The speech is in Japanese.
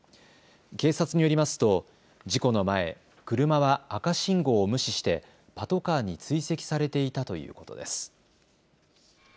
警察によりますと事故の前、車は赤信号を無視してパトカーに追跡されていたということです。